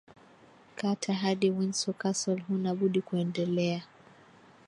Carta hadi Windsor Castle Huna budi kuendelea